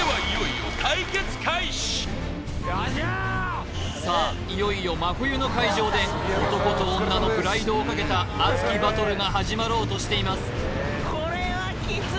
いよいよ真冬の海上で男と女のプライドをかけた熱きバトルが始まろうとしています